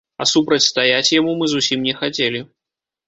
А супрацьстаяць яму мы зусім не хацелі.